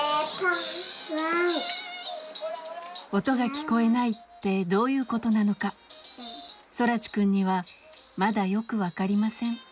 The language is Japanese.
音が聞こえないってどういうことなのか空知くんにはまだよく分かりません。